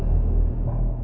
aku sudah selesai